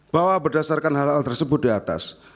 bahwa berdasarkan hal hal tersebut di atas